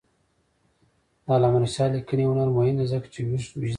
د علامه رشاد لیکنی هنر مهم دی ځکه چې ویښ وجدان لري.